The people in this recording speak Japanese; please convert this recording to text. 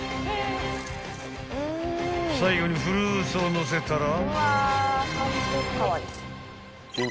［最後にフルーツをのせたら］